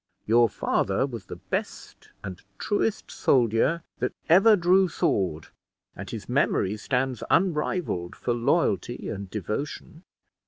Your father was the best and truest soldier that ever drew sword; and his memory stands unrivaled for loyalty and devotion.